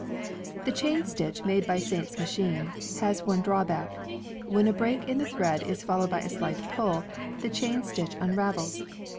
The chain stitch made by Saint's machine has one drawback. When a break in the thread is followed by a slight pull, the chain stitch imravels.